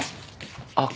あっ。